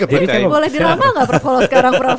boleh diramal gak prof